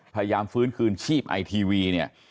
พยายามฟื้นคืนชีพไอทีวีเนี่ย